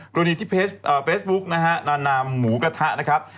กรณีที่เพจเฟซบุ๊กนะฮะนานามหมูกระทะนะครับ